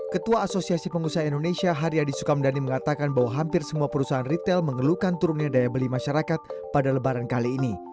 ketua asosiasi pengusaha indonesia haryadi sukamdhani mengatakan bahwa hampir semua perusahaan retail mengeluhkan turunnya daya beli masyarakat pada lebaran kali ini